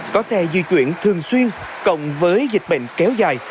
chuyển thường xuyên cộng với dịch bệnh kéo dài